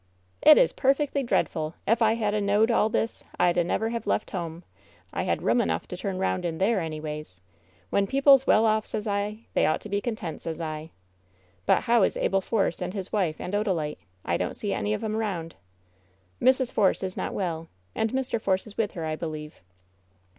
'^ "It is perfectly dreadful ! If I had a knowed all this I'd a never have left home. I had room enough to turn round in there, anyways. When people's well off, sez I, they ought to be content, sez I. But how is Abel Force and his wife and Odalite ? I don't see any of 'em round." "Mrs. Force is not well, and Mr. Force is with her, I believe.